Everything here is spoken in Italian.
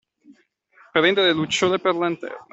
Prendere lucciole per lanterne.